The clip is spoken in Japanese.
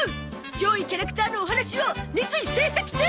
上位キャラクターのお話を熱意制作中！